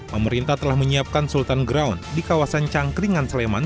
pemerintah telah menyiapkan sultan ground di kawasan cangkringan sleman